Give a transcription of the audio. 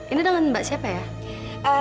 ini dalam mbak siapa ya